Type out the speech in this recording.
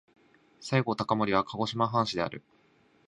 西郷隆盛は鹿児島藩士である。